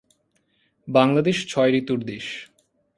বাংলাদেশ ছয় ঋতুর দেশ।